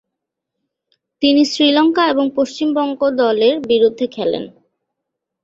তিনি শ্রীলঙ্কা এবং পশ্চিমবঙ্গ দলের বিরুদ্ধে খেলেন।